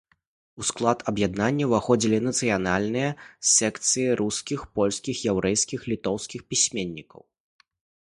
У склад аб'яднання ўваходзілі нацыянальныя секцыі рускіх, польскіх, яўрэйскіх, літоўскіх пісьменнікаў.